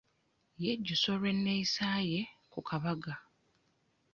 Yejjusa olw'enneeyisa ye ku kabaga.